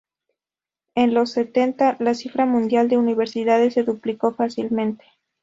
En los setenta, la cifra mundial de universidades se duplicó fácilmente.